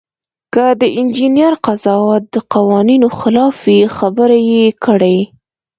که د انجینر قضاوت د قوانینو خلاف وي خبره یې کړئ.